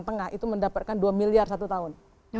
tengah itu mendapatkan dua miliar satu tahun